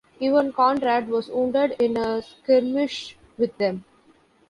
Even Conrad was wounded in a skirmish with them.